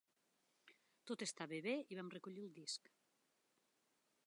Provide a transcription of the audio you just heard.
Tot estava bé i vam recollir el disc.